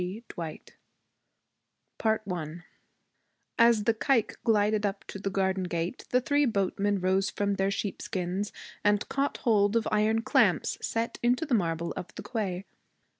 G. DWIGHT I As the caïque glided up to the garden gate the three boatmen rose from their sheepskins and caught hold of iron clamps set into the marble of the quay.